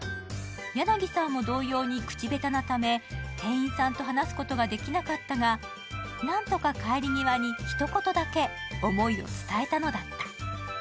ヤナギさんも同様に口下手なため、店員さんと話すことができなかったが何とか帰り際に、ひと言だけ思いを伝えたのだった。